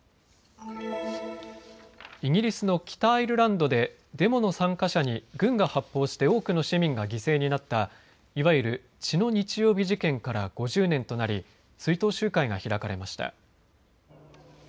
イギリスの北アイルランドでデモの参加者に軍が発砲して多くの市民が犠牲になったいわゆる血の日曜日事件から５０年となり追悼集会が開かれました。